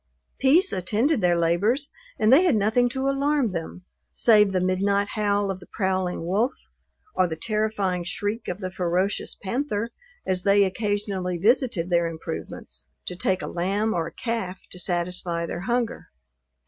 Peace attended their labors; and they had nothing to alarm them, save the midnight howl of the prowling wolf, or the terrifying shriek of the ferocious panther, as they occasionally visited their improvements, to take a lamb or a calf to satisfy their hunger.